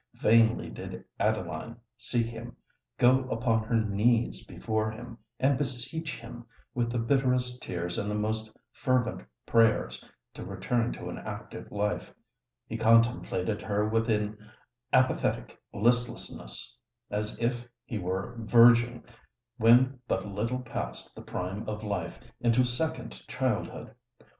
Vainly did Adeline seek him—go upon her knees before him—and beseech him, with the bitterest tears and the most fervent prayers, to return to an active life:—he contemplated her with an apathetic listlessness—as if he were verging, when but little past the prime of life, into second childhood.